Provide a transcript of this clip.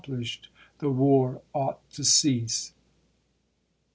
plished the war ought to cease.